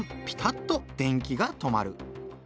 ピタッと電気が止まる。